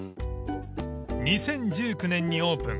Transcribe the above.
［２０１９年にオープン。